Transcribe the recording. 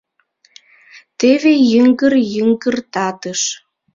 Теве йыҥгыр йыҥгыртатыш.